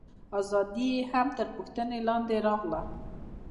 ازادي یې هم تر پوښتنې لاندې راغله.